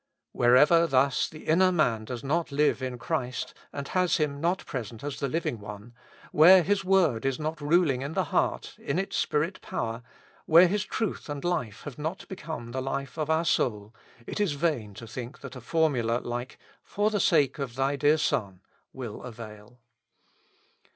Wherever thus the inner man does not live in Christ and has Him not present as the Living One, where His word is not ruling in the heart in its Spirit power, where His truth and life have not become the life of our soul, it is vain to think that a formula like 'for the sake of Thy dear Son' will avail."